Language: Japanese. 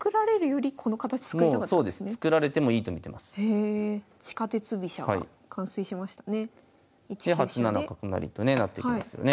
で８七角成とねなっていきますよね。